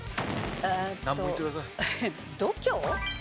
えーっと度胸。